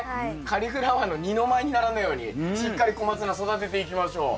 カリフラワーの二の舞にならないようにしっかりコマツナ育てていきましょう。